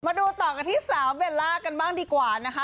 มาดูต่อกันที่สาวเบลล่ากันบ้างดีกว่านะคะ